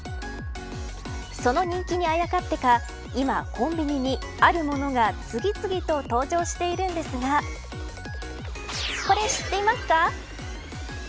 その人気にあやかってか今コンビニにあるものが次々と登場しているんですがこれ、知っていますか。